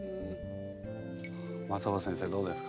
松尾葉先生どうですか？